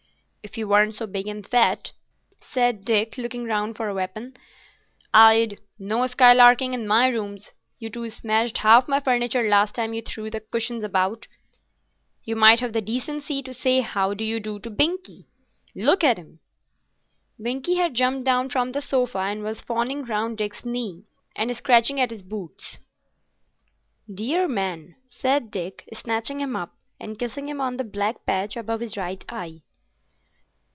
"If you weren't so big and fat," said Dick, looking round for a weapon, "I'd——" "No skylarking in my rooms. You two smashed half my furniture last time you threw the cushions about. You might have the decency to say How d'you do? to Binkie. Look at him." Binkie had jumped down from the sofa and was fawning round Dick's knee, and scratching at his boots. "Dear man!" said Dick, snatching him up, and kissing him on the black patch above his right eye.